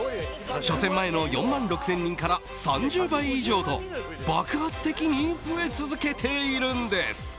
初戦前の４万６０００人から３０倍以上と爆発的に増え続けているんです。